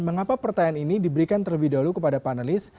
mengapa pertanyaan ini diberikan terlebih dahulu kepada panelis